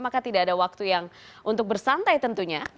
maka tidak ada waktu yang untuk bersantai tentunya